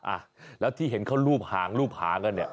อ่ะแล้วที่เห็นเขาลูบหางกันเนี่ย